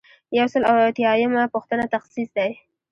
یو سل او یو اتیایمه پوښتنه تخصیص دی.